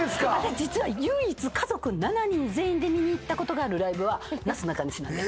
実は唯一家族７人全員で見に行ったことがあるライブはなすなかにしなんです。